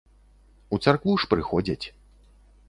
У царкву ж прыходзяць.